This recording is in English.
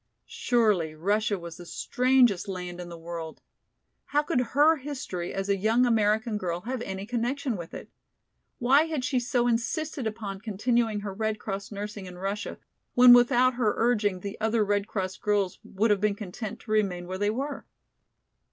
Surely, Russia was the strangest land in the world. How could her history as a young American girl have any connection with it? Why had she so insisted upon continuing her Red Cross nursing in Russia, when without her urging the other Red Cross girls would have been content to remain where they were?